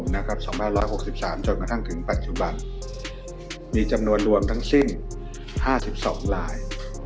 ตั้งแต่วันที่๑๔มินาคมจนกระทั่งถึงปัจจุบันมีจำนวนรวมทั้งสิ้น๕๒ลาย